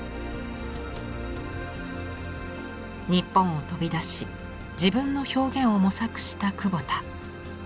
日本を飛び出し自分の表現を模索した久保田。